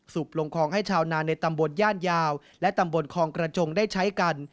ลงคลองให้ชาวนาในตำบลย่านยาวและตำบลคลองกระจงได้ใช้กัน